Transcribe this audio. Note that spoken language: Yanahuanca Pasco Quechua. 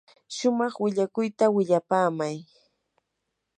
shumaq willakuyta willapaamay.